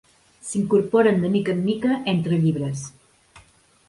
S'incorporen de mica en mica entre llibres.